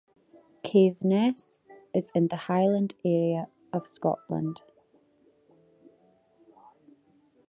Caithness is in the Highland area of Scotland.